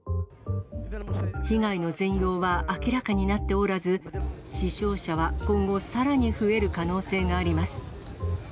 被害の全容は明らかになっておらず、死傷者は今後さらに増える可能性があります。